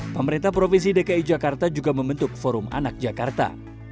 pemerintah provinsi dki jakarta juga membentuk forum anak jakarta